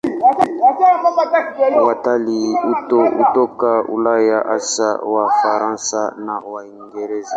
Watalii hutoka Ulaya, hasa Wafaransa na Waingereza.